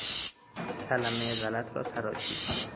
کلمهٔ غلط را تراشید.